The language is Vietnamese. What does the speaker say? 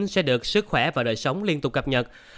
sẽ được sức khỏe và đời sống liên tục cập nhật